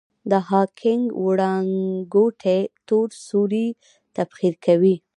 د هاکینګ وړانګوټې تور سوري تبخیر کوي.